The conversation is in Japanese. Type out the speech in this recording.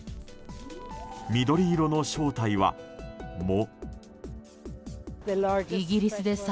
緑色の正体は、藻。